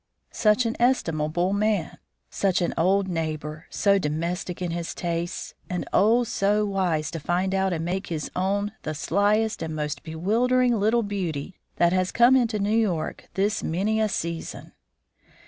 "Such an estimable man! such an old neighbor! so domestic in his tastes! and, oh! so wise to find out and make his own the slyest and most bewildering little beauty that has come into New York this many a season!"